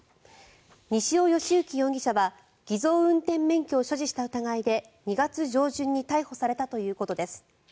西尾嘉之容疑者は偽造運転免許を所持した疑いで２月上旬に逮捕されたということです。